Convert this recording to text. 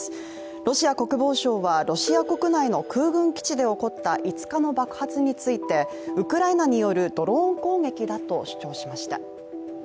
ロシア国防省はロシア国内の空軍基地で起こった５日の爆発について、ウクライナによるドローン攻撃だと主張しました。